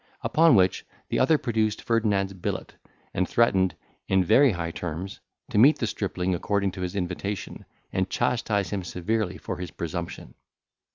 Upon which, the other produced Ferdinand's billet, and threatened, in very high terms, to meet the stripling according to his invitation, and chastise him severely for his presumption.